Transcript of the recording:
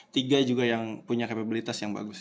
tiga juga yang punya kapabilitas yang bagus